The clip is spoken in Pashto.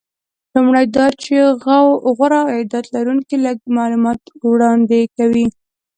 لومړی دا چې غوره عاید لرونکي لږ معلومات وړاندې کوي